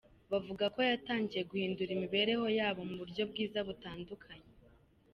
Bavuga ko yatangiye guhindura imibereho yabo mu buryo bwiza butandukanye.